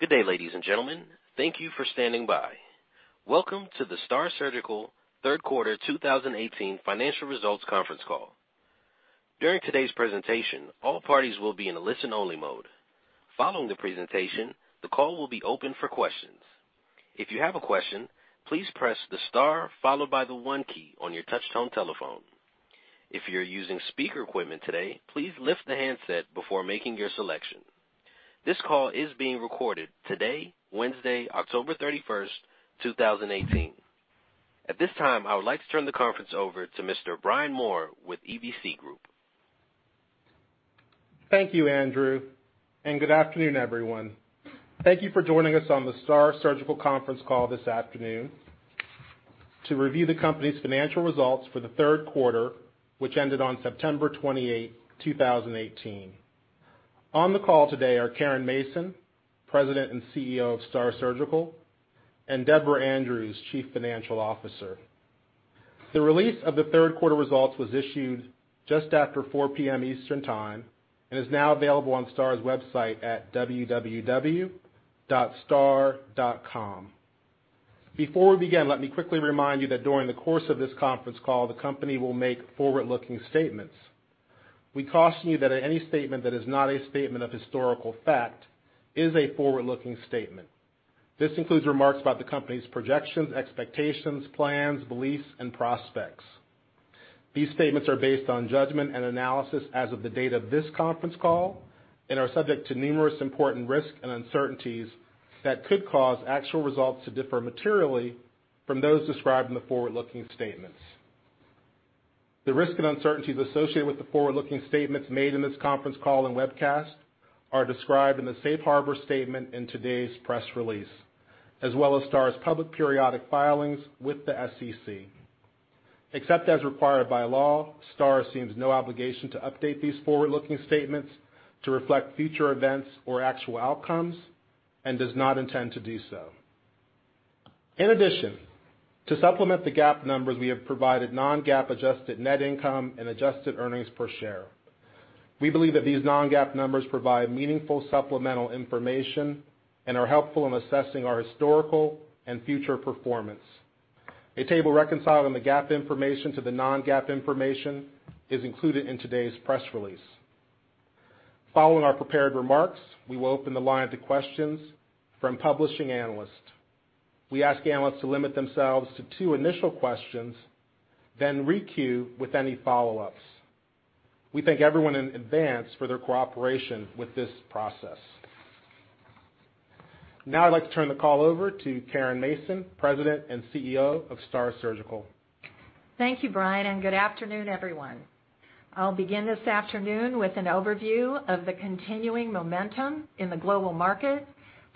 Good day, ladies and gentlemen. Thank you for standing by. Welcome to the STAAR Surgical Third Quarter 2018 financial results conference call. During today's presentation, all parties will be in a listen-only mode. Following the presentation, the call will be open for questions. If you have a question, please press the star followed by the one key on your touch-tone telephone. If you're using speaker equipment today, please lift the handset before making your selection. This call is being recorded today, Wednesday, October 31st, 2018. At this time, I would like to turn the conference over to Mr. Brian Moore with EVC Group. Thank you, Andrew. Good afternoon, everyone. Thank you for joining us on the STAAR Surgical conference call this afternoon to review the company's financial results for the third quarter, which ended on September 28, 2018. On the call today are Caren Mason, President and CEO of STAAR Surgical, and Deborah Andrews, Chief Financial Officer. The release of the third quarter results was issued just after 4:00 P.M. Eastern Time and is now available on STAAR's website at www.staar.com. Before we begin, let me quickly remind you that during the course of this conference call, the company will make forward-looking statements. We caution you that any statement that is not a statement of historical fact is a forward-looking statement. This includes remarks about the company's projections, expectations, plans, beliefs, and prospects. These statements are based on judgment and analysis as of the date of this conference call and are subject to numerous important risks and uncertainties that could cause actual results to differ materially from those described in the forward-looking statements. The risks and uncertainties associated with the forward-looking statements made in this conference call and webcast are described in the safe harbor statement in today's press release, as well as STAAR's public periodic filings with the SEC. Except as required by law, STAAR assumes no obligation to update these forward-looking statements to reflect future events or actual outcomes and does not intend to do so. In addition, to supplement the GAAP numbers, we have provided non-GAAP adjusted net income and adjusted earnings per share. We believe that these non-GAAP numbers provide meaningful supplemental information and are helpful in assessing our historical and future performance. A table reconciling the GAAP information to the non-GAAP information is included in today's press release. Following our prepared remarks, we will open the line to questions from publishing analysts. We ask analysts to limit themselves to two initial questions, then re-queue with any follow-ups. We thank everyone in advance for their cooperation with this process. I'd like to turn the call over to Caren Mason, President and CEO of STAAR Surgical. Thank you, Brian. Good afternoon, everyone. I'll begin this afternoon with an overview of the continuing momentum in the global market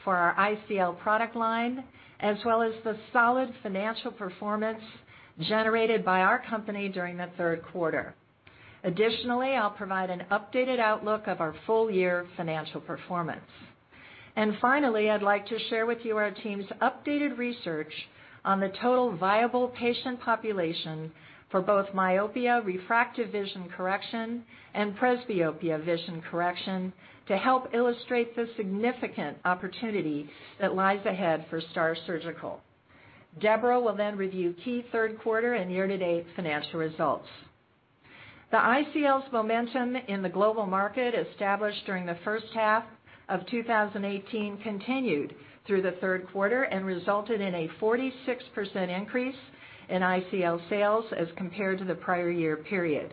for our ICL product line, as well as the solid financial performance generated by our company during the third quarter. Additionally, I'll provide an updated outlook of our full-year financial performance. Finally, I'd like to share with you our team's updated research on the total viable patient population for both myopia refractive vision correction and presbyopia vision correction to help illustrate the significant opportunity that lies ahead for STAAR Surgical. Deborah will then review key third quarter and year-to-date financial results. The ICL's momentum in the global market established during the first half of 2018 continued through the third quarter and resulted in a 46% increase in ICL sales as compared to the prior year period.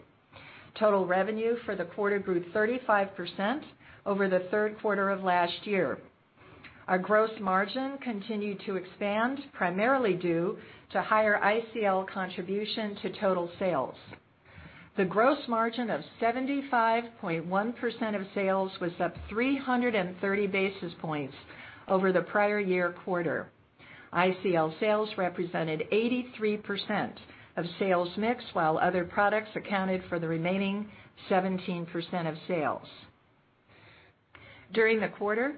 Total revenue for the quarter grew 35% over the third quarter of last year. Our gross margin continued to expand, primarily due to higher ICL contribution to total sales. The gross margin of 75.1% of sales was up 330 basis points over the prior year quarter. ICL sales represented 83% of sales mix, while other products accounted for the remaining 17% of sales. Despite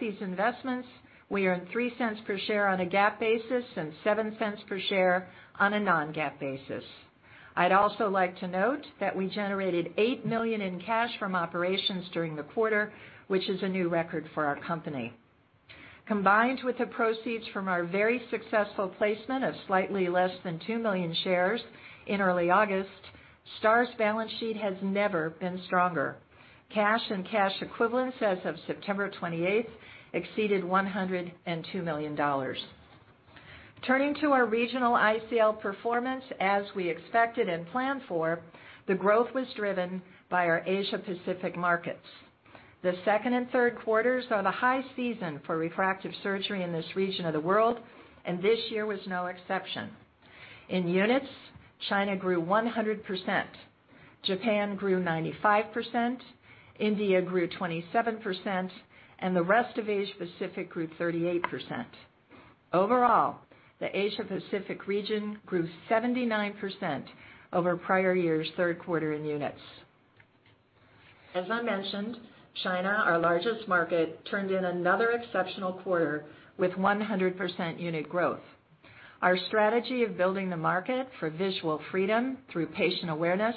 these investments, we earned $0.03 per share on a GAAP basis and $0.07 per share on a non-GAAP basis. I'd also like to note that we generated $8 million in cash from operations during the quarter, which is a new record for our company. Combined with the proceeds from our very successful placement of slightly less than 2 million shares in early August, STAAR's balance sheet has never been stronger. Cash and cash equivalents as of September 28th exceeded $102 million. Turning to our regional ICL performance, as we expected and planned for, the growth was driven by our Asia-Pacific markets. The second and third quarters are the high season for refractive surgery in this region of the world, and this year was no exception. In units, China grew 100%, Japan grew 95%, India grew 27%, and the rest of Asia-Pacific grew 38%. Overall, the Asia-Pacific region grew 79% over prior year's third quarter in units. As I mentioned, China, our largest market, turned in another exceptional quarter with 100% unit growth. Our strategy of building the market for visual freedom through patient awareness,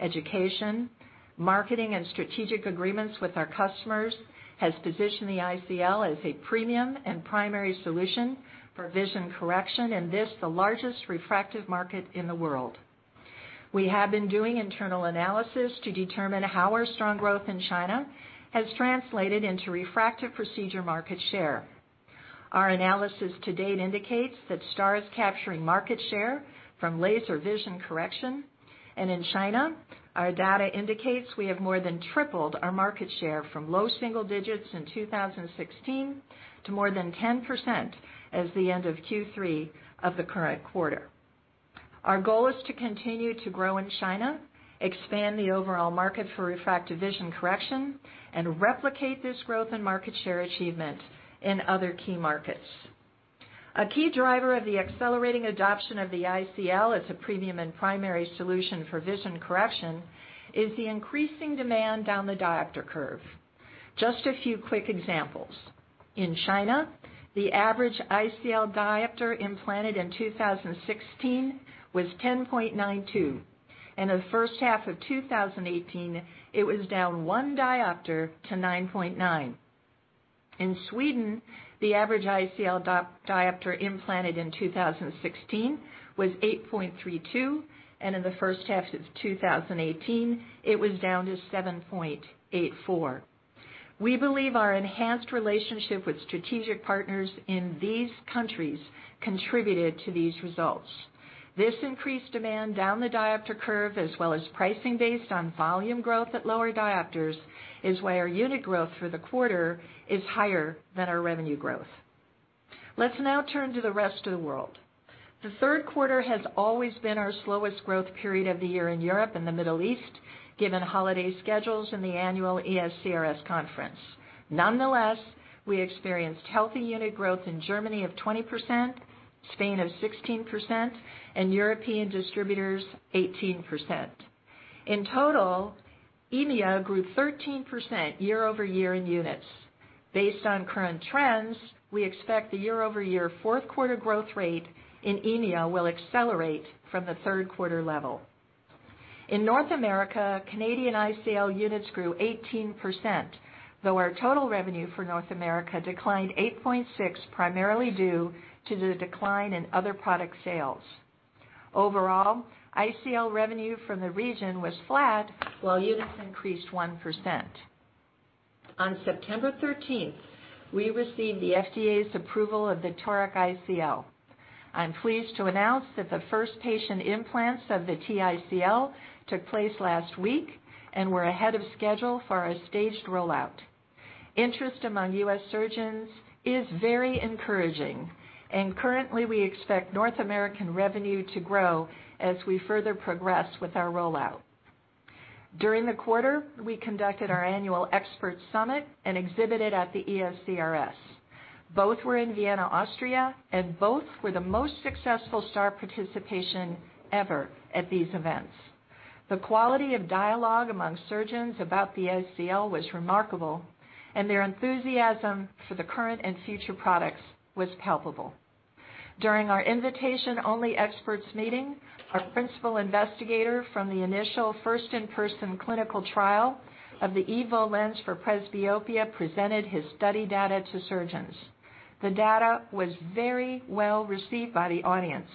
education, marketing, and strategic agreements with our customers has positioned the ICL as a premium and primary solution for vision correction in this, the largest refractive market in the world. We have been doing internal analysis to determine how our strong growth in China has translated into refractive procedure market share. Our analysis to date indicates that STAAR is capturing market share from laser vision correction. In China, our data indicates we have more than tripled our market share from low single digits in 2016 to more than 10% as the end of Q3 of the current quarter. Our goal is to continue to grow in China, expand the overall market for refractive vision correction, and replicate this growth in market share achievement in other key markets. A key driver of the accelerating adoption of the ICL as a premium and primary solution for vision correction is the increasing demand down the diopter curve. Just a few quick examples. In China, the average ICL diopter implanted in 2016 was 10.92, and in the first half of 2018, it was down 1 diopter to 9.9. In Sweden, the average ICL diopter implanted in 2016 was 8.32, and in the first half of 2018, it was down to 7.84. We believe our enhanced relationship with strategic partners in these countries contributed to these results. This increased demand down the diopter curve, as well as pricing based on volume growth at lower diopters, is why our unit growth for the quarter is higher than our revenue growth. Let's now turn to the rest of the world. The third quarter has always been our slowest growth period of the year in Europe and the Middle East, given holiday schedules and the annual ESCRS conference. Nonetheless, we experienced healthy unit growth in Germany of 20%, Spain of 16%, and European distributors 18%. In total, EMEA grew 13% year-over-year in units. Based on current trends, we expect the year-over-year fourth quarter growth rate in EMEA will accelerate from the third quarter level. In North America, Canadian ICL units grew 18%, though our total revenue for North America declined 8.6%, primarily due to the decline in other product sales. Overall, ICL revenue from the region was flat while units increased 1%. On September 13th, we received the FDA's approval of the Toric ICL. I'm pleased to announce that the first patient implants of the TICL took place last week, and we're ahead of schedule for our staged rollout. Interest among U.S. surgeons is very encouraging. Currently, we expect North American revenue to grow as we further progress with our rollout. During the quarter, we conducted our annual expert summit and exhibited at the ESCRS. Both were in Vienna, Austria, and Both were the most successful STAAR participation ever at these events. The quality of dialogue among surgeons about the ICL was remarkable, and their enthusiasm for the current and future products was palpable. During our invitation-only experts meeting, our principal investigator from the initial first in-human clinical trial of the EVO lens for presbyopia presented his study data to surgeons. The data was very well received by the audience.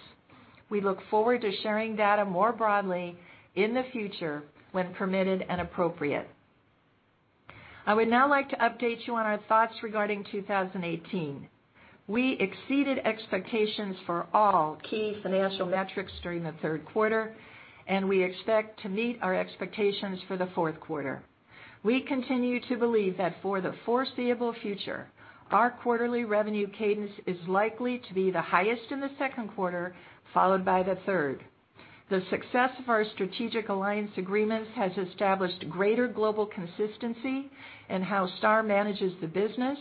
We look forward to sharing data more broadly in the future when permitted and appropriate. I would now like to update you on our thoughts regarding 2018. We exceeded expectations for all key financial metrics during the third quarter, and we expect to meet our expectations for the fourth quarter. We continue to believe that for the foreseeable future, our quarterly revenue cadence is likely to be the highest in the second quarter, followed by the third. The success of our strategic alliance agreements has established greater global consistency in how STAAR manages the business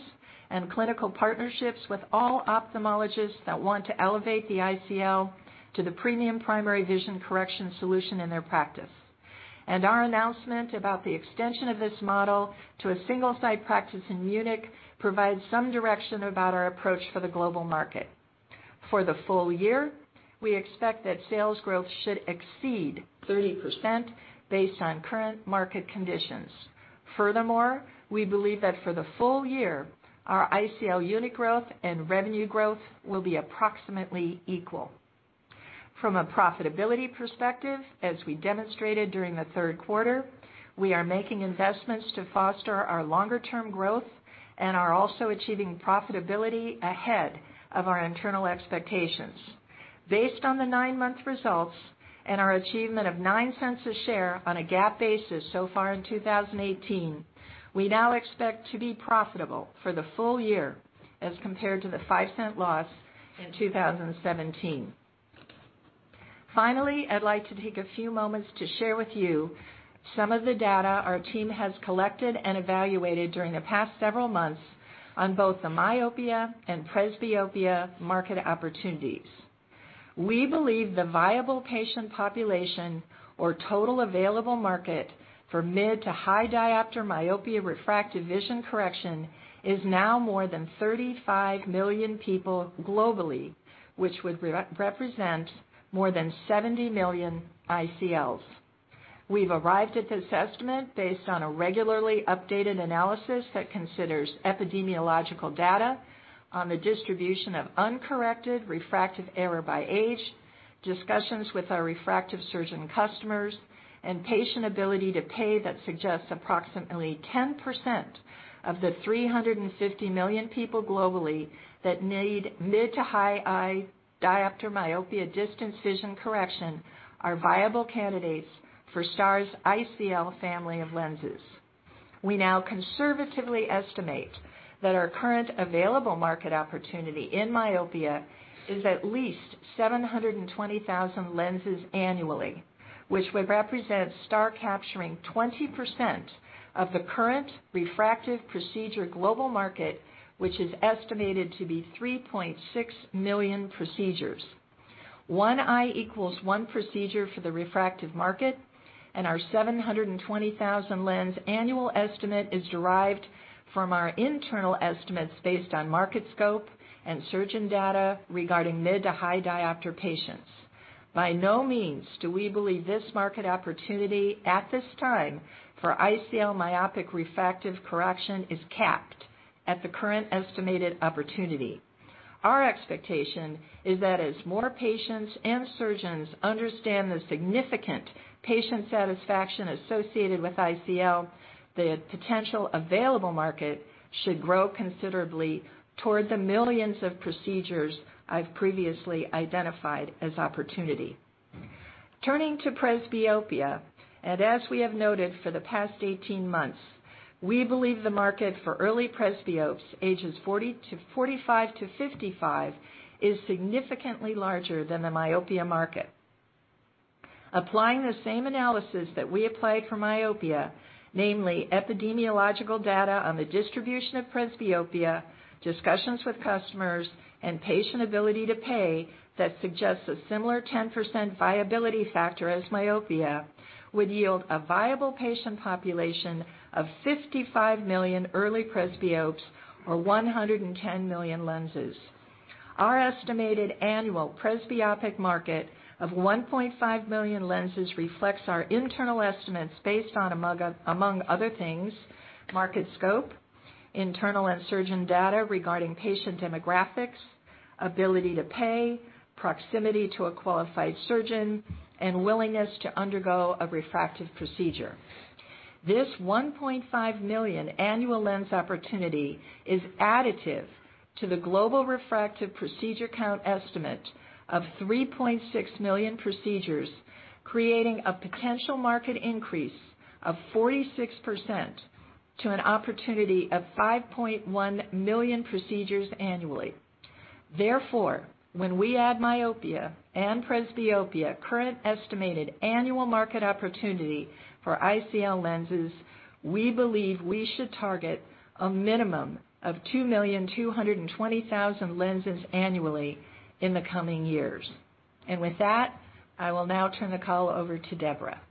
and clinical partnerships with all ophthalmologists that want to elevate the ICL to the premium primary vision correction solution in their practice. Our announcement about the extension of this model to a single-site practice in Munich provides some direction about our approach for the global market. For the full year, we expect that sales growth should exceed 30% based on current market conditions. Furthermore, we believe that for the full year, our ICL unit growth and revenue growth will be approximately equal. From a profitability perspective, as we demonstrated during the third quarter, we are making investments to foster our longer-term growth and are also achieving profitability ahead of our internal expectations. Based on the nine-month results and our achievement of $0.09 a share on a GAAP basis so far in 2018, we now expect to be profitable for the full year as compared to the $0.05 loss in 2017. Finally, I'd like to take a few moments to share with you some of the data our team has collected and evaluated during the past several months on both the myopia and presbyopia market opportunities. We believe the viable patient population or total available market for mid to high diopter myopia refractive vision correction is now more than 35 million people globally, which would represent more than 70 million ICLs. We've arrived at this estimate based on a regularly updated analysis that considers epidemiological data on the distribution of uncorrected refractive error by age, discussions with our refractive surgeon customers, and patient ability to pay that suggests approximately 10% of the 350 million people globally that need mid to high diopter myopia distance vision correction are viable candidates for STAAR's ICL family of lenses. We now conservatively estimate that our current available market opportunity in myopia is at least 720,000 lenses annually, which would represent STAAR capturing 20% of the current refractive procedure global market, which is estimated to be 3.6 million procedures. One eye equals one procedure for the refractive market, and our 720,000 lens annual estimate is derived from our internal estimates based on Market Scope and surgeon data regarding mid to high diopter patients. By no means do we believe this market opportunity at this time for ICL myopic refractive correction is capped at the current estimated opportunity. Our expectation is that as more patients and surgeons understand the significant patient satisfaction associated with ICL, the potential available market should grow considerably toward the millions of procedures I've previously identified as opportunity. Turning to presbyopia, and as we have noted for the past 18 months, we believe the market for early presbyopes, ages 45 to 55, is significantly larger than the myopia market. Applying the same analysis that we applied for myopia, namely epidemiological data on the distribution of presbyopia, discussions with customers, and patient ability to pay that suggests a similar 10% viability factor as myopia, would yield a viable patient population of 55 million early presbyopes or 110 million lenses. Our estimated annual presbyopic market of 1.5 million lenses reflects our internal estimates based on, among other things, Market Scope, internal and surgeon data regarding patient demographics, ability to pay, proximity to a qualified surgeon, and willingness to undergo a refractive procedure. This 1.5 million annual lens opportunity is additive to the global refractive procedure count estimate of 3.6 million procedures, creating a potential market increase of 46% to an opportunity of 5.1 million procedures annually. Therefore, when we add myopia and presbyopia current estimated annual market opportunity for ICL lenses, we believe we should target a minimum of 2,220,000 lenses annually in the coming years. With that, I will now turn the call over to Deborah.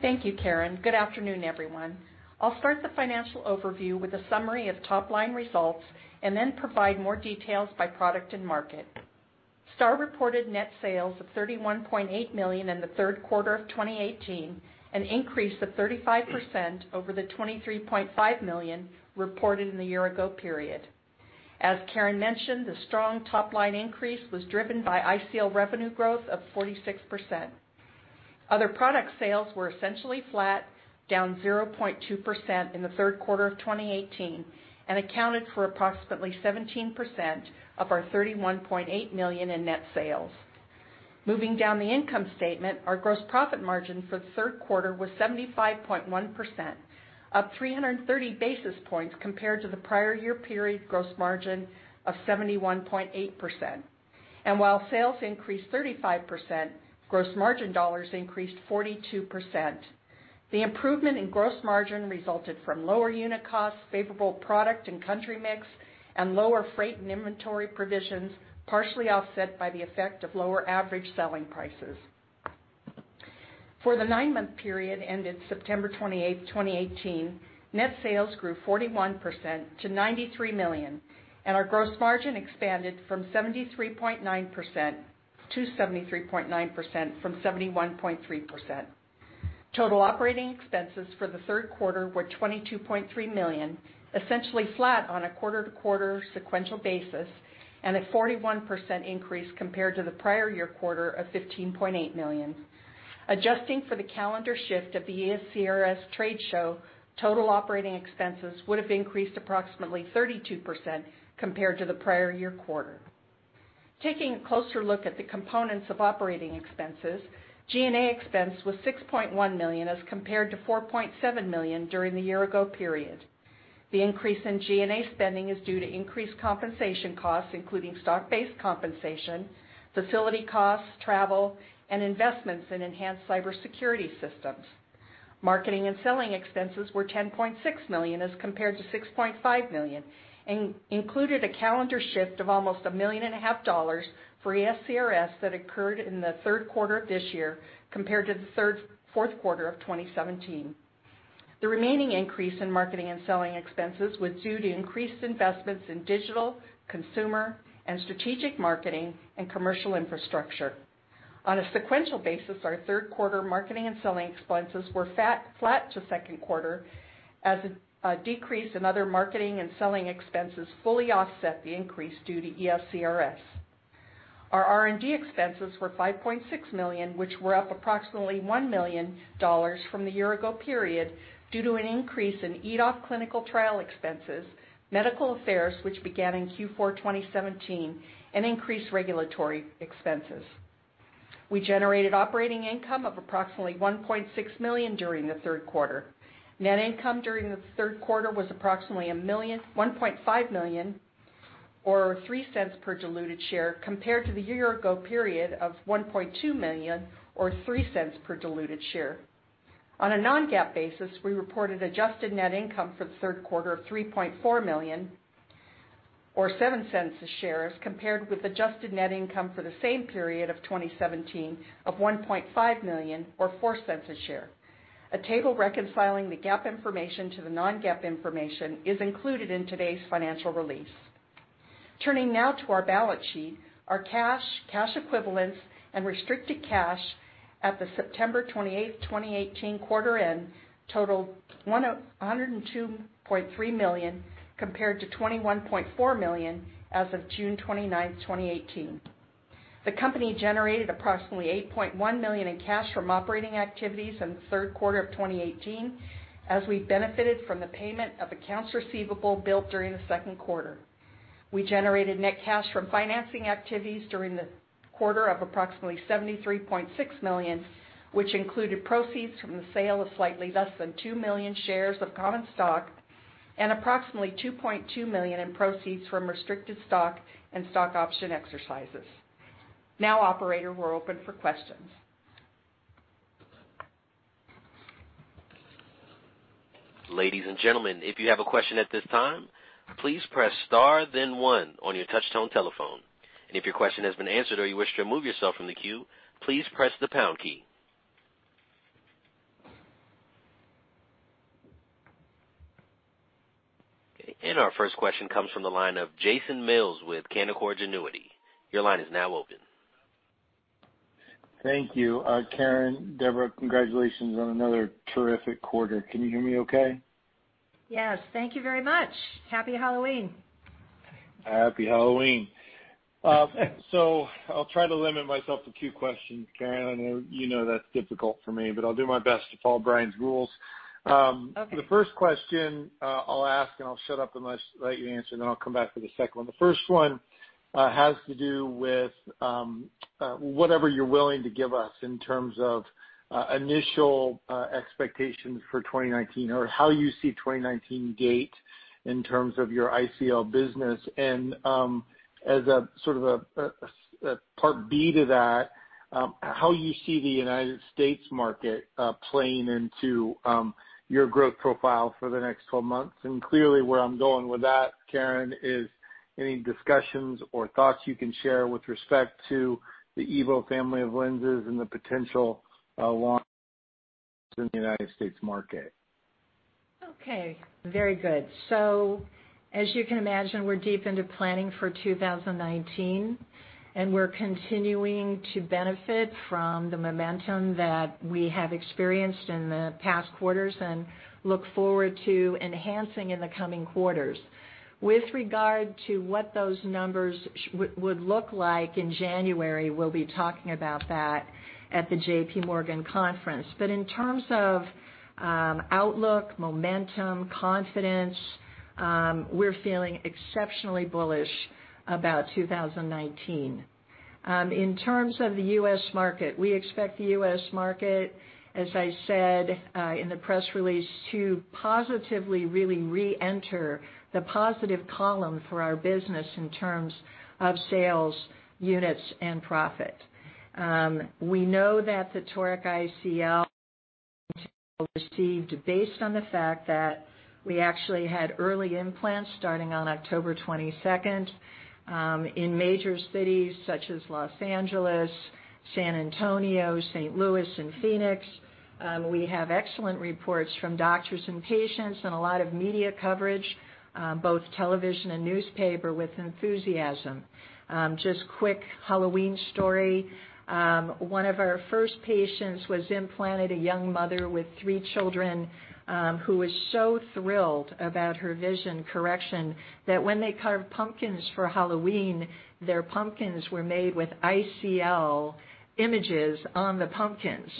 Thank you, Caren. Good afternoon, everyone. I will start the financial overview with a summary of top-line results and then provide more details by product and market. STAAR Surgical reported net sales of $31.8 million in the third quarter of 2018, an increase of 35% over the $23.5 million reported in the year ago period. As Caren mentioned, the strong top-line increase was driven by ICL revenue growth of 46%. Other product sales were essentially flat, down 0.2% in the third quarter of 2018, and accounted for approximately 17% of our $31.8 million in net sales. Moving down the income statement, our gross profit margin for the third quarter was 75.1%, up 330 basis points compared to the prior year period gross margin of 71.8%. While sales increased 35%, gross margin dollars increased 42%. The improvement in gross margin resulted from lower unit costs, favorable product and country mix, and lower freight and inventory provisions, partially offset by the effect of lower average selling prices. For the nine-month period ended September 28, 2018, net sales grew 41% to $93 million, and our gross margin expanded to 73.9% from 71.3%. Total operating expenses for the third quarter were $22.3 million, essentially flat on a quarter-to-quarter sequential basis and a 41% increase compared to the prior year quarter of $15.8 million. Adjusting for the calendar shift of the ESCRS trade show, total operating expenses would have increased approximately 32% compared to the prior year quarter. Taking a closer look at the components of operating expenses, G&A expense was $6.1 million as compared to $4.7 million during the year ago period. The increase in G&A spending is due to increased compensation costs, including stock-based compensation, facility costs, travel, and investments in enhanced cybersecurity systems. Marketing and selling expenses were $10.6 million as compared to $6.5 million, and included a calendar shift of almost a million and a half dollars for ESCRS that occurred in the third quarter of this year compared to the fourth quarter of 2017. The remaining increase in marketing and selling expenses was due to increased investments in digital, consumer and strategic marketing, and commercial infrastructure. On a sequential basis, our third quarter marketing and selling expenses were flat to second quarter as a decrease in other marketing and selling expenses fully offset the increase due to ESCRS. Our R&D expenses were $5.6 million, which were up approximately $1 million from the year-ago period due to an increase in EDOF clinical trial expenses, medical affairs, which began in Q4 2017, and increased regulatory expenses. We generated operating income of approximately $1.6 million during the third quarter. Net income during the third quarter was approximately $1.5 million, or $0.03 per diluted share compared to the year-ago period of $1.2 million, or $0.03 per diluted share. On a non-GAAP basis, we reported adjusted net income for the third quarter of $3.4 million, or $0.07 a share, as compared with adjusted net income for the same period of 2017 of $1.5 million or $0.04 a share. A table reconciling the GAAP information to the non-GAAP information is included in today's financial release. Turning now to our balance sheet. Our cash equivalents, and restricted cash at the September 28, 2018 quarter end totaled $102.3 million compared to $21.4 million as of June 29, 2018. The company generated approximately $8.1 million in cash from operating activities in the third quarter of 2018, as we benefited from the payment of accounts receivable built during the second quarter. We generated net cash from financing activities during the quarter of approximately $73.6 million, which included proceeds from the sale of slightly less than 2 million shares of common stock and approximately $2.2 million in proceeds from restricted stock and stock option exercises. Operator, we're open for questions. Ladies and gentlemen, if you have a question at this time, please press star then one on your touch tone telephone. If your question has been answered or you wish to remove yourself from the queue, please press the pound key. Our first question comes from the line of Jason Mills with Canaccord Genuity. Your line is now open. Thank you. Caren, Deborah, congratulations on another terrific quarter. Can you hear me okay? Yes. Thank you very much. Happy Halloween. Happy Halloween. I'll try to limit myself to two questions, Caren. I know you know that's difficult for me, but I'll do my best to follow Brian's rules. Okay. The first question I'll ask, and I'll shut up and let you answer, then I'll come back for the second one. The first one has to do with whatever you're willing to give us in terms of initial expectations for 2019, or how you see 2019 gate in terms of your ICL business. As a sort of a part B to that, how you see the U.S. market playing into your growth profile for the next 12 months. Clearly where I'm going with that, Caren, is any discussions or thoughts you can share with respect to the EVO family of lenses and the potential launch in the U.S. market. Okay. Very good. As you can imagine, we're deep into planning for 2019, we're continuing to benefit from the momentum that we have experienced in the past quarters and look forward to enhancing in the coming quarters. With regard to what those numbers would look like in January, we'll be talking about that at the JP Morgan conference. In terms of outlook, momentum, confidence, we're feeling exceptionally bullish about 2019. In terms of the U.S. market, we expect the U.S. market, as I said in the press release, to positively really reenter the positive column for our business in terms of sales, units, and profit. We know that the Toric ICL received based on the fact that we actually had early implants starting on October 22nd in major cities such as L.A., San Antonio, St. Louis, and Phoenix. We have excellent reports from doctors and patients and a lot of media coverage, both television and newspaper, with enthusiasm. Just quick Halloween story. One of our first patients was implanted, a young mother with three children, who was so thrilled about her vision correction that when they carved pumpkins for Halloween, their pumpkins were made with ICL images on the pumpkins.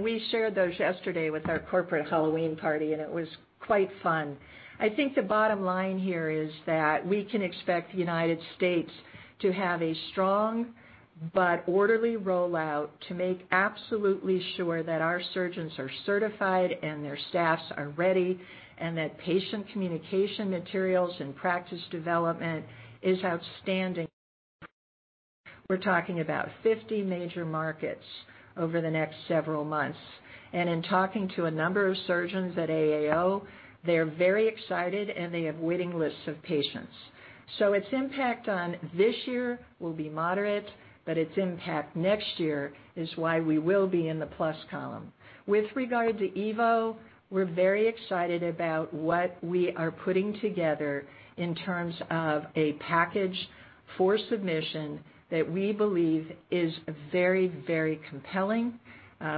We shared those yesterday with our corporate Halloween party, and it was quite fun. I think the bottom line here is that we can expect the United States to have a strong but orderly rollout to make absolutely sure that our surgeons are certified and their staffs are ready, and that patient communication materials and practice development is outstanding We're talking about 50 major markets over the next several months. In talking to a number of surgeons at AAO, they're very excited, and they have waiting lists of patients. Its impact on this year will be moderate, but its impact next year is why we will be in the plus column. With regard to EVO, we're very excited about what we are putting together in terms of a package for submission that we believe is very compelling.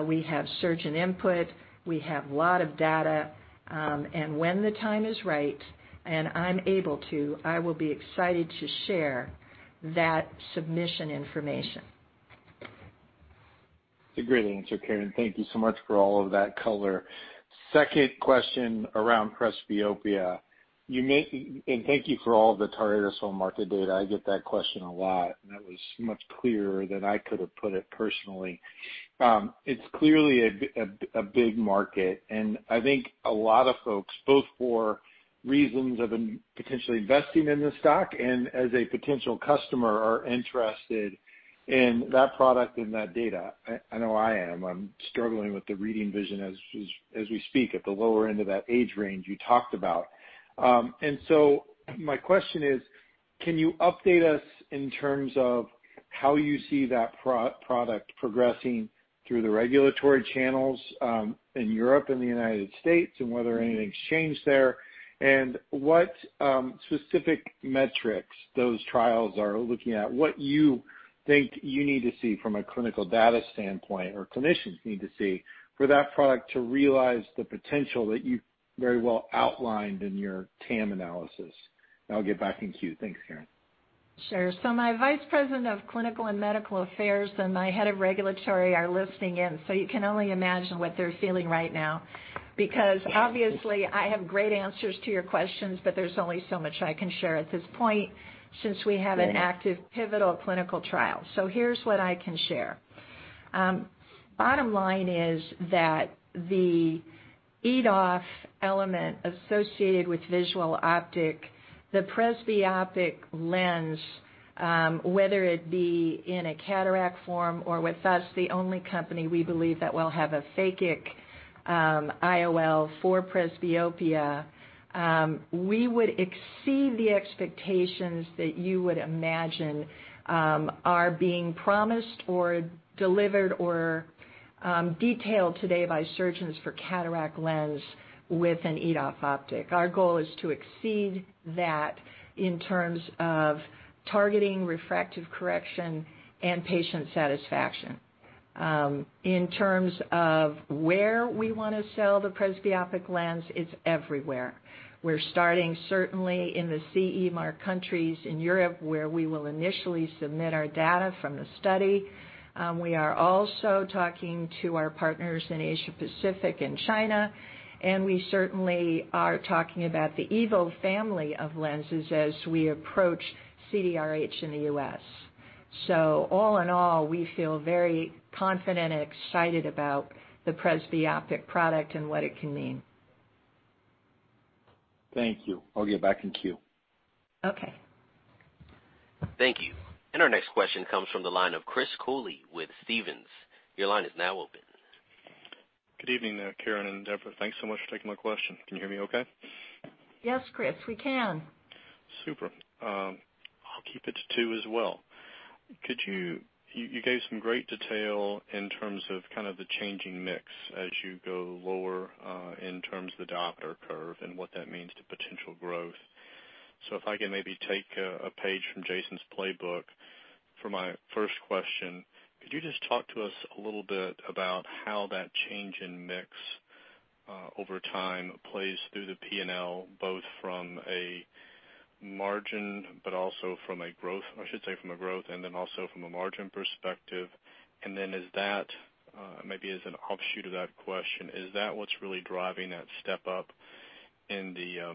We have surgeon input. We have a lot of data. When the time is right and I'm able to, I will be excited to share that submission information. It's a great answer, Caren. Thank you so much for all of that color. Second question around presbyopia. Thank you for all the Toric ICL market data. I get that question a lot, and that was much clearer than I could have put it personally. It's clearly a big market, and I think a lot of folks, both for reasons of potentially investing in the stock and as a potential customer, are interested in that product and that data. I know I am. I'm struggling with the reading vision as we speak at the lower end of that age range you talked about. My question is, can you update us in terms of how you see that product progressing through the regulatory channels in Europe and the United States, and whether anything's changed there? What specific metrics those trials are looking at, what you think you need to see from a clinical data standpoint, or clinicians need to see for that product to realize the potential that you very well outlined in your TAM analysis? I'll get back in queue. Thanks, Caren. My vice president of clinical and medical affairs and my head of regulatory are listening in. You can only imagine what they're feeling right now, because obviously I have great answers to your questions, but there's only so much I can share at this point since we have an active pivotal clinical trial. Here's what I can share. Bottom line is that the EDOF element associated with Visian optic, the presbyopic lens, whether it be in a cataract form or with us, the only company we believe that will have a phakic IOL for presbyopia, we would exceed the expectations that you would imagine are being promised or delivered or detailed today by surgeons for cataract lens with an EDOF optic. Our goal is to exceed that in terms of targeting refractive correction and patient satisfaction. In terms of where we want to sell the presbyopic lens, it's everywhere. We're starting certainly in the CE mark countries in Europe, where we will initially submit our data from the study. We are also talking to our partners in Asia-Pacific and China, and we certainly are talking about the EVO family of lenses as we approach CDRH in the U.S. All in all, we feel very confident and excited about the presbyopic product and what it can mean. Thank you. I'll get back in queue. Okay. Thank you. Our next question comes from the line of Chris Cooley with Stephens. Your line is now open. Good evening, Caren and Deborah. Thanks so much for taking my question. Can you hear me okay? Yes, Chris, we can. Super. I'll keep it to two as well. You gave some great detail in terms of kind of the changing mix as you go lower in terms of the diopter curve and what that means to potential growth. If I can maybe take a page from Jason's playbook for my first question, could you just talk to us a little bit about how that change in mix over time plays through the P&L, both from a margin, but also from a growth, I should say from a growth and then also from a margin perspective? Is that, maybe as an offshoot of that question, is that what's really driving that step up in the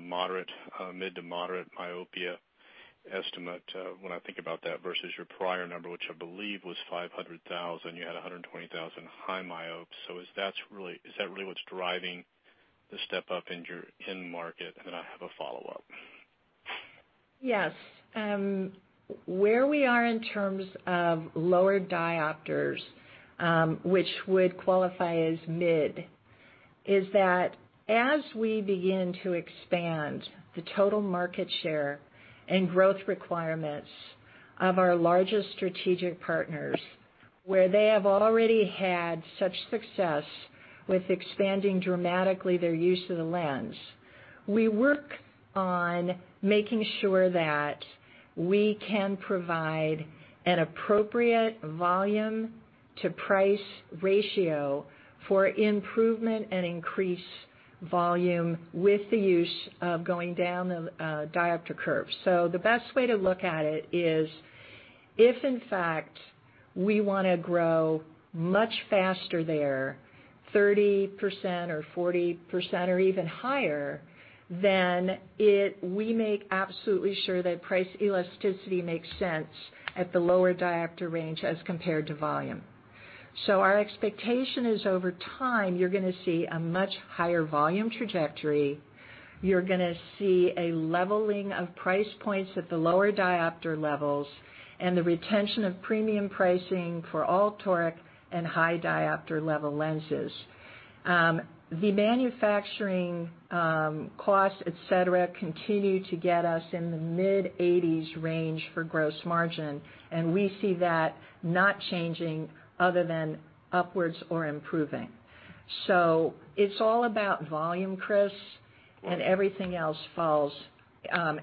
mid to moderate myopia estimate when I think about that versus your prior number, which I believe was 500,000. You had 120,000 high myopes. Is that really what's driving the step up in market? I have a follow-up. Yes. Where we are in terms of lower diopters, which would qualify as mid, is that as we begin to expand the total market share and growth requirements of our largest strategic partners, where they have already had such success with expanding dramatically their use of the lens, we work on making sure that we can provide an appropriate volume to price ratio for improvement and increase volume with the use of going down the diopter curve. The best way to look at it is if, in fact, we want to grow much faster there, 30% or 40% or even higher, then we make absolutely sure that price elasticity makes sense at the lower diopter range as compared to volume. Our expectation is over time you're going to see a much higher volume trajectory. You're going to see a leveling of price points at the lower diopter levels and the retention of premium pricing for all Toric and high diopter level lenses. The manufacturing costs, et cetera, continue to get us in the mid-80s range for gross margin, and we see that not changing other than upwards or improving. It's all about volume, Chris, and everything else falls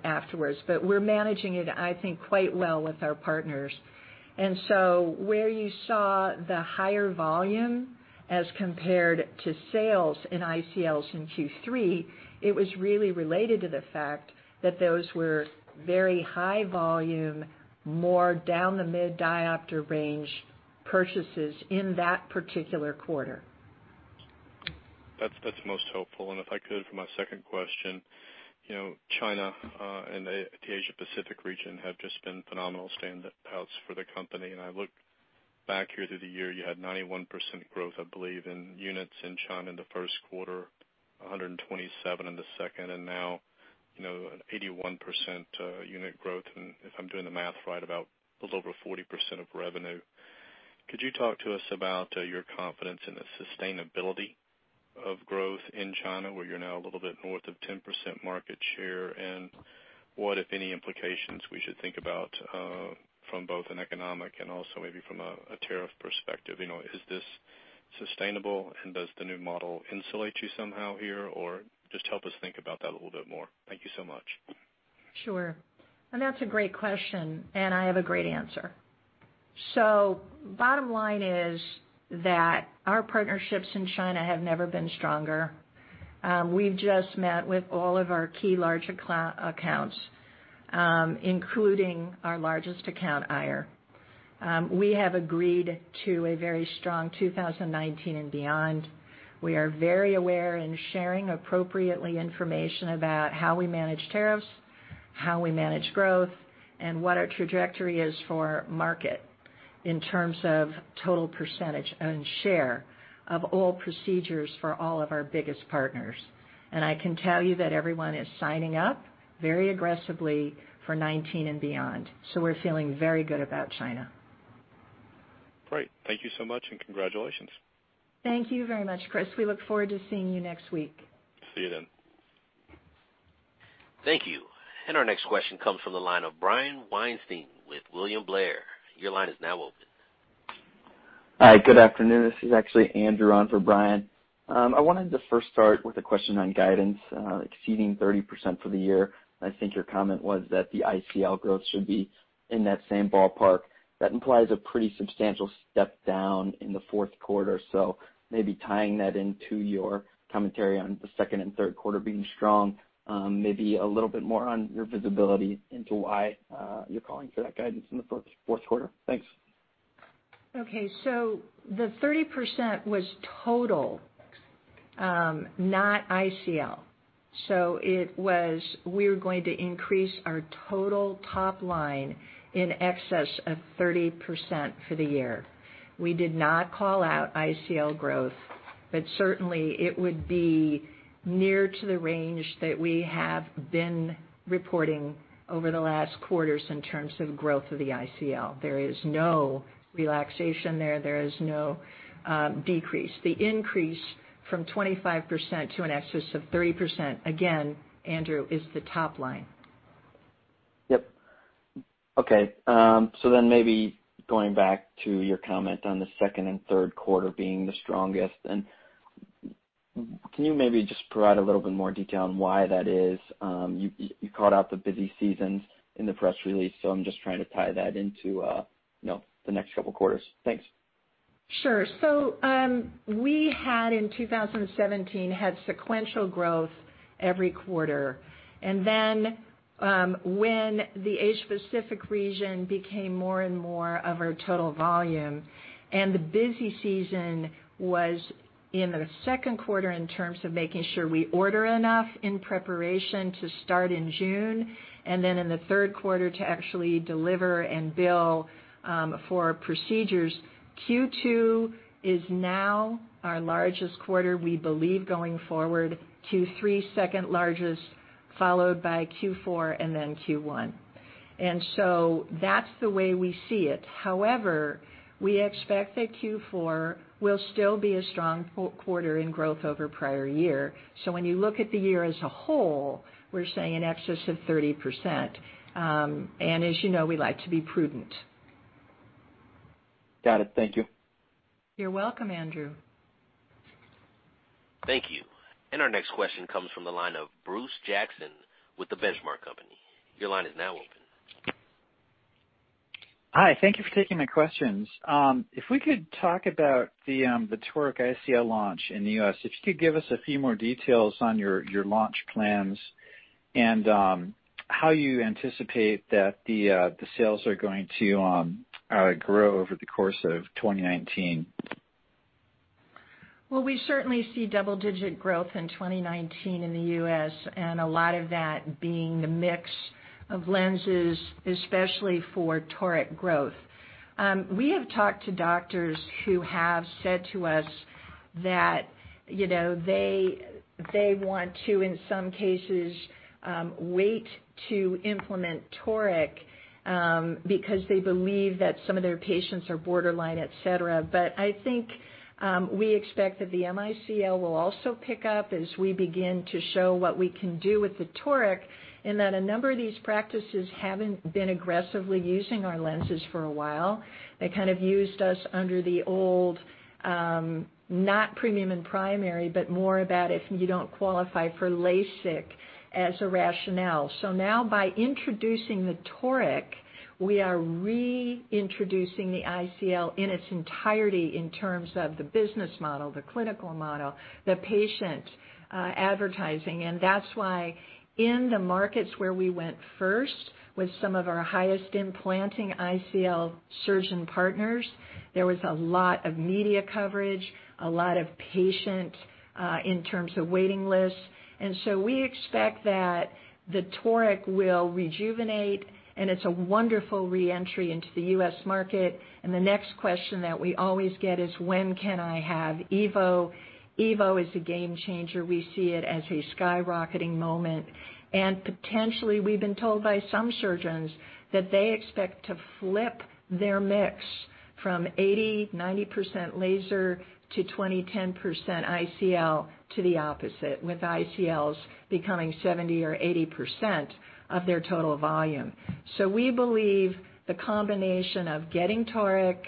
afterwards. We're managing it, I think, quite well with our partners. Where you saw the higher volume as compared to sales in ICL in Q3, it was really related to the fact that those were very high volume, more down the mid-diopter range purchases in that particular quarter. That's most helpful. If I could, for my second question, China and the Asia Pacific region have just been phenomenal standouts for the company. I look back here through the year, you had 91% growth, I believe, in units in China in the first quarter, 127 in the second, and now 81% unit growth in, if I'm doing the math right, about a little over 40% of revenue. Could you talk to us about your confidence in the sustainability of growth in China, where you're now a little bit north of 10% market share, and what, if any, implications we should think about from both an economic and also maybe from a tariff perspective? Is this sustainable and does the new model insulate you somehow here or just help us think about that a little bit more? Thank you so much. Sure. That's a great question, and I have a great answer. Bottom line is that our partnerships in China have never been stronger. We've just met with all of our key larger accounts, including our largest account, Aier. We have agreed to a very strong 2019 and beyond. We are very aware and sharing appropriately information about how we manage tariffs, how we manage growth, and what our trajectory is for market in terms of total percentage earned share of all procedures for all of our biggest partners. I can tell you that everyone is signing up very aggressively for 2019 and beyond. We're feeling very good about China. Great. Thank you so much, congratulations. Thank you very much, Chris. We look forward to seeing you next week. See you then. Thank you. Our next question comes from the line of Brian Weinstein with William Blair. Your line is now open. Hi, good afternoon. This is actually Andrew on for Brian. I wanted to first start with a question on guidance exceeding 30% for the year. I think your comment was that the ICL growth should be in that same ballpark. That implies a pretty substantial step down in the fourth quarter. Maybe tying that into your commentary on the second and third quarter being strong, maybe a little bit more on your visibility into why you're calling for that guidance in the fourth quarter. Thanks. Okay. The 30% was total, not ICL. It was, we're going to increase our total top line in excess of 30% for the year. We did not call out ICL growth, but certainly it would be near to the range that we have been reporting over the last quarters in terms of growth of the ICL. There is no relaxation there. There is no decrease. The increase from 25% to in excess of 30%, again, Andrew, is the top line. Yep. Okay. Maybe going back to your comment on the second and third quarter being the strongest then, can you maybe just provide a little bit more detail on why that is? You called out the busy seasons in the press release, I'm just trying to tie that into the next couple of quarters. Thanks. Sure. We had in 2017, had sequential growth every quarter. When the Asia Pacific region became more and more of our total volume and the busy season was in the second quarter in terms of making sure we order enough in preparation to start in June, and then in the third quarter to actually deliver and bill for procedures. Q2 is now our largest quarter, we believe going forward, Q3 second largest, followed by Q4 and then Q1. That's the way we see it. However, we expect that Q4 will still be a strong quarter in growth over prior year. When you look at the year as a whole, we're saying in excess of 30%. As you know, we like to be prudent. Got it. Thank you. You're welcome, Andrew. Thank you. Our next question comes from the line of Bruce Jackson with The Benchmark Company. Your line is now open. Hi, thank you for taking my questions. If we could talk about the Toric ICL launch in the U.S. If you could give us a few more details on your launch plans and how you anticipate that the sales are going to grow over the course of 2019. We certainly see double-digit growth in 2019 in the U.S. and a lot of that being the mix of lenses, especially for Toric growth. We have talked to doctors who have said to us that they want to, in some cases, wait to implement Toric, because they believe that some of their patients are borderline, et cetera. I think we expect that the ICL will also pick up as we begin to show what we can do with the Toric, in that a number of these practices haven't been aggressively using our lenses for a while. They kind of used us under the old, not premium and primary, but more about if you don't qualify for LASIK as a rationale. Now by introducing the Toric, we are re-introducing the ICL in its entirety in terms of the business model, the clinical model, the patient advertising. That's why in the markets where we went first with some of our highest implanting ICL surgeon partners, there was a lot of media coverage, a lot of patient in terms of waiting lists. We expect that the Toric will rejuvenate, and it's a wonderful re-entry into the U.S. market. The next question that we always get is, when can I have EVO? EVO is a game changer. We see it as a skyrocketing moment. Potentially, we've been told by some surgeons that they expect to flip their mix from 80%, 90% laser to 20%, 10% ICL to the opposite, with ICLs becoming 70% or 80% of their total volume. We believe the combination of getting Toric,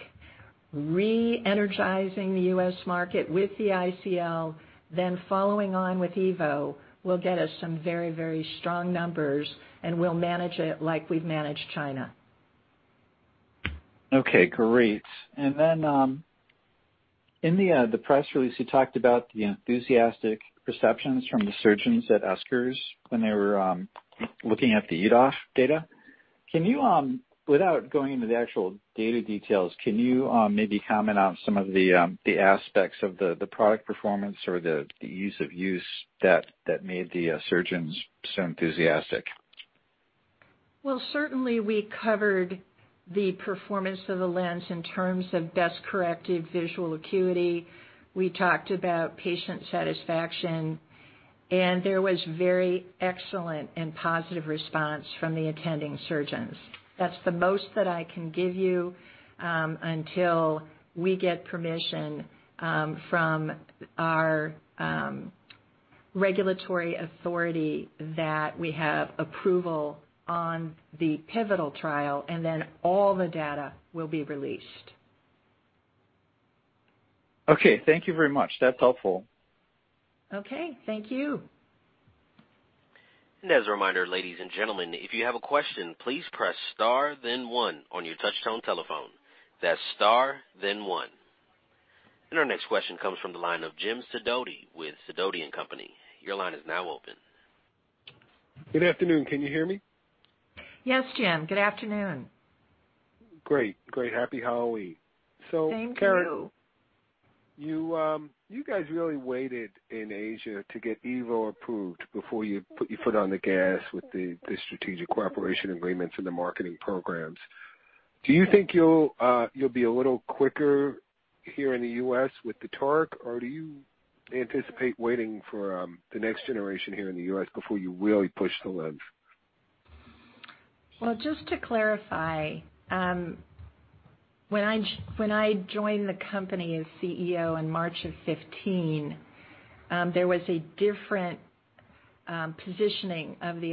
re-energizing the U.S. market with the ICL, following on with EVO, will get us some very strong numbers, and we'll manage it like we've managed China. Okay, great. Then, in the press release, you talked about the enthusiastic perceptions from the surgeons at ESCRS when they were looking at the EDOF data. Without going into the actual data details, can you maybe comment on some of the aspects of the product performance or the ease of use that made the surgeons so enthusiastic? Certainly we covered the performance of the lens in terms of best-corrected visual acuity. We talked about patient satisfaction, there was very excellent and positive response from the attending surgeons. That's the most that I can give you until we get permission from our regulatory authority that we have approval on the pivotal trial, all the data will be released. Okay. Thank you very much. That's helpful. Okay. Thank you. As a reminder, ladies and gentlemen, if you have a question, please press star then one on your touch-tone telephone. That's star then one. Our next question comes from the line of Jim Sidoti with Sidoti & Company. Your line is now open. Good afternoon. Can you hear me? Yes, Jim. Good afternoon. Great. Happy Halloween. Same to you. Caren, you guys really waited in Asia to get EVO approved before you put your foot on the gas with the strategic cooperation agreements and the marketing programs. Do you think you'll be a little quicker here in the U.S. with the Toric, or do you anticipate waiting for the next generation here in the U.S. before you really push the lens? Well, just to clarify, when I joined the company as CEO in March of 2015, there was a different positioning of the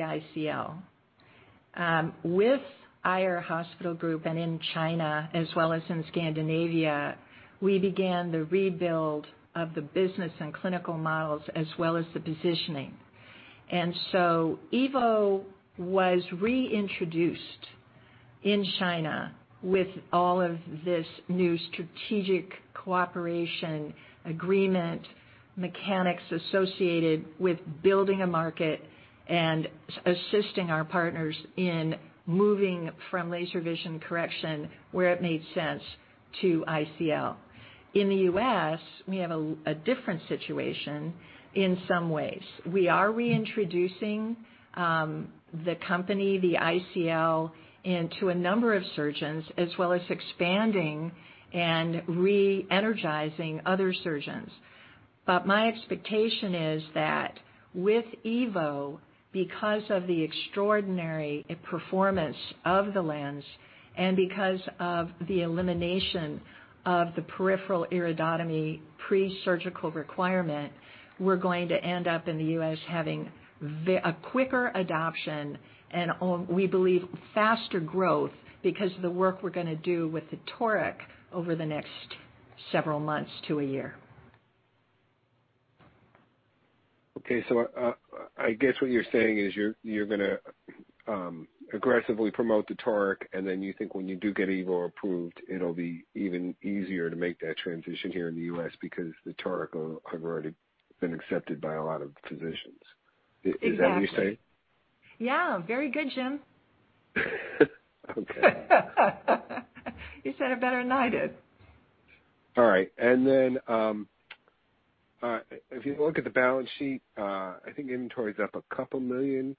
ICL. With Aier Hospital Group and in China, as well as in Scandinavia, we began the rebuild of the business and clinical models as well as the positioning. EVO was reintroduced in China with all of this new strategic cooperation agreement mechanics associated with building a market and assisting our partners in moving from laser vision correction, where it made sense, to ICL. In the U.S., we have a different situation in some ways. We are reintroducing the company, the ICL, into a number of surgeons, as well as expanding and re-energizing other surgeons. My expectation is that with EVO, because of the extraordinary performance of the lens and because of the elimination of the peripheral iridotomy pre-surgical requirement, we're going to end up in the U.S. having a quicker adoption and we believe, faster growth because of the work we're going to do with the Toric over the next several months to a year. Okay. I guess what you're saying is you're going to aggressively promote the Toric, and then you think when you do get EVO approved, it'll be even easier to make that transition here in the U.S. because the Toric have already been accepted by a lot of physicians. Exactly. Is that what you're saying? Yeah. Very good, Jim. Okay. You said it better than I did. All right. If you look at the balance sheet, I think inventory is up $a couple million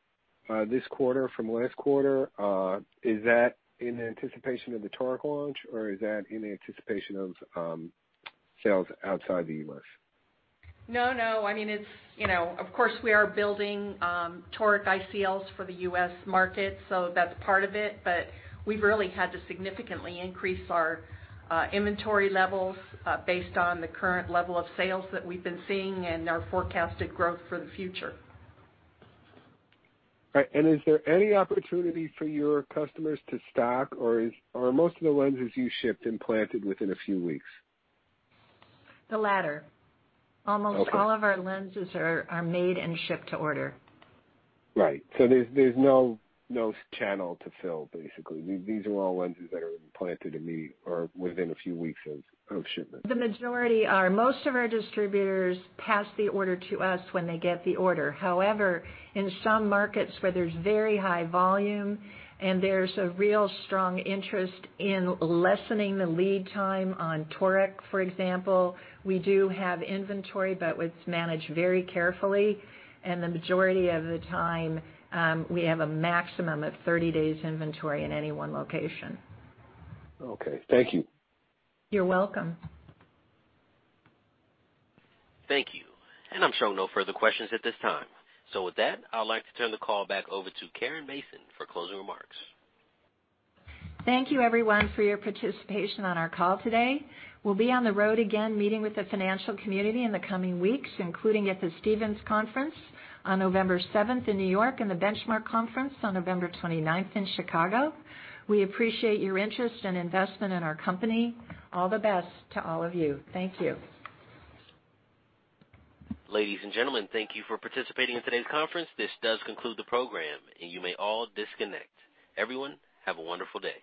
this quarter from last quarter. Is that in anticipation of the Toric launch, or is that in anticipation of sales outside the U.S.? No, of course, we are building Toric ICLs for the U.S. market, so that's part of it, but we've really had to significantly increase our inventory levels based on the current level of sales that we've been seeing and our forecasted growth for the future. Right. Is there any opportunity for your customers to stock, or are most of the lenses you ship implanted within a few weeks? The latter. Okay. Almost all of our lenses are made and shipped to order. Right. There's no channel to fill, basically. These are all lenses that are implanted immediately or within a few weeks of shipment. The majority are. Most of our distributors pass the order to us when they get the order. However, in some markets where there's very high volume and there's a real strong interest in lessening the lead time on Toric, for example, we do have inventory, but it's managed very carefully, and the majority of the time, we have a maximum of 30 days inventory in any one location. Okay. Thank you. You're welcome. Thank you. I'm showing no further questions at this time. With that, I would like to turn the call back over to Caren Mason for closing remarks. Thank you everyone for your participation on our call today. We'll be on the road again meeting with the financial community in the coming weeks, including at the Stifel Conference on November 7th in New York and the Benchmark Conference on November 29th in Chicago. We appreciate your interest and investment in our company. All the best to all of you. Thank you. Ladies and gentlemen, thank you for participating in today's conference. This does conclude the program, and you may all disconnect. Everyone, have a wonderful day.